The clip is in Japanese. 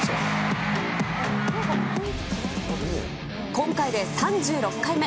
今回で３６回目。